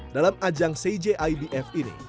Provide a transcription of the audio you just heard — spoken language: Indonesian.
dalam ajang cjibf ini